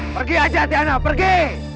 pergi aja tiana pergi